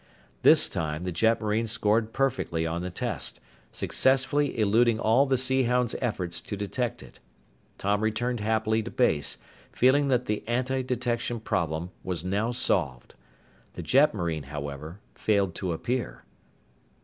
This time, the jetmarine scored perfectly on the test, successfully eluding all the Sea Hound's efforts to detect it. Tom returned happily to base, feeling that the antidetection problem was now solved. The jetmarine, however, failed to appear.